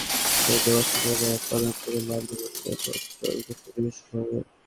ক্রিমিয়া-সংকটের প্রেক্ষাপটে মস্কোর বিরুদ্ধে ওয়াশিংটনের নেওয়া পদক্ষেপে মার্কিন যুক্তরাষ্ট্রের ওপর চটেছেন রুশ জনগণ।